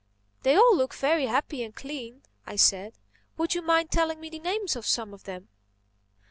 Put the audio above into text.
"They all look very happy and clean," I said. "Would you mind telling me the names of some of them?"